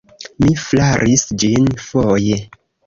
Mi flaris ĝin foje.